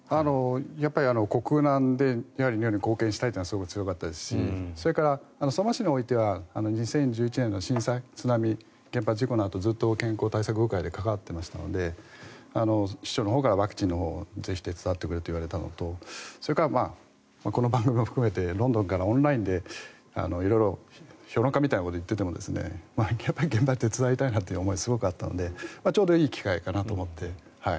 やっぱり国難で貢献したいというのが強かったですしそれから、相馬市においては２０１１年の震災、津波、原発事故のあとずっと健康対策部会で関わっていましたので市長のほうからワクチンをぜひ手伝ってくれと言われたのとそれからこの番組も含めてロンドンからオンラインで色々と評論家みたいなことを言っていても現場を手伝いたいなという思いはすごいあったのでちょうどいい機会かなと思って。